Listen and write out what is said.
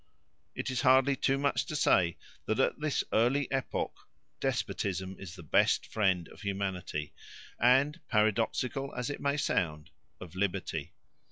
It is hardly too much to say that at this early epoch despotism is the best friend of humanity and, paradoxical as it may sound, of liberty.